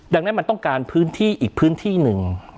ดังนั้นมันต้องการพื้นที่อีกพื้นที่หนึ่ง